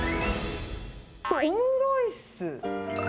これ、オムライス？